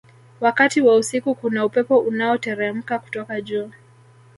wakati wa usiku kuna upepo unaoteremka kutoka juu